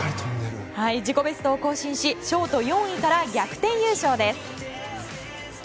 自己ベストを更新しショート４位から逆転優勝です。